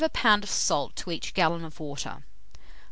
of salt to each gallon of water.